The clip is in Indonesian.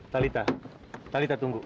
talita talita tunggu